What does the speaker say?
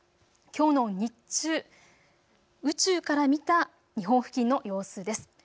きょうの日中、宇宙から見た日本付近の様子です。